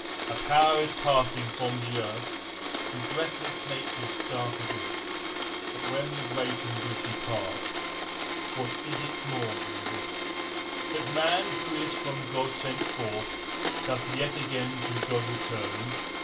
A Power is passing from the earth To breathless Nature's dark abyss; But when the great and good depart What is it more than this– 20 That Man, who is from God sent forth, Doth yet again to God return?